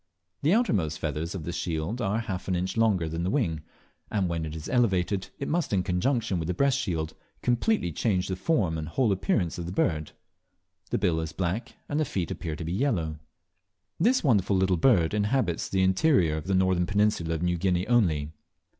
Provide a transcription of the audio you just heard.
The outermost feathers of this shield are half an inch longer than the wing, and when it is elevated it must, in conjunction with the breast shield, completely change the form and whole appearance of the bird. The bill is black, and the feet appear to be yellow. This wonderful little bird inhabits the interior of the northern peninsula of New Guinea only.